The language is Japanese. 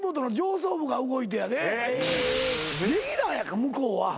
レギュラーやから向こうは。